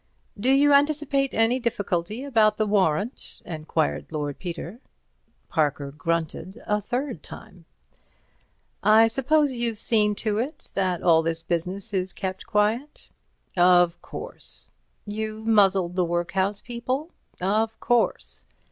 "Do you anticipate any difficulty about the warrant?" enquired Lord Peter. Parker grunted a third time. "I suppose you've seen to it that all this business is kept quiet?" "Of course." "You've muzzled the workhouse people?" "Of course."